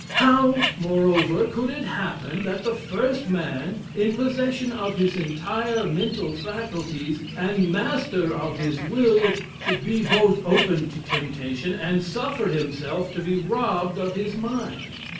How, moreover, could it happen that the first man in possession of his entire mental faculties, and master of his will, should be both open to temptation, and suffer himself to be robbed of his mind?